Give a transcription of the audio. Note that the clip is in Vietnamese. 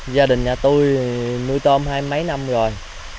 gia đình nhà tôi nuôi tôm hai mấy năm rồi